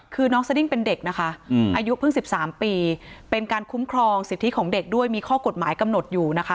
คือน้องสดิ้งเป็นเด็กนะคะอายุเพิ่ง๑๓ปีเป็นการคุ้มครองสิทธิของเด็กด้วยมีข้อกฎหมายกำหนดอยู่นะคะ